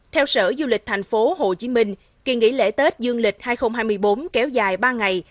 theo sở du lịch tp hcm kỳ nghỉ lễ tết dương lịch hai nghìn hai mươi bốn kéo dài ba ngày